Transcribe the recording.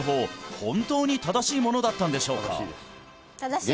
本当に正しいものだったんでしょうか？